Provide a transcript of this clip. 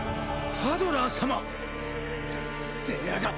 ハドラー。